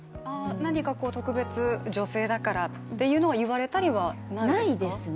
何かこう、特別女性だからっていうのは言われたりはないですか？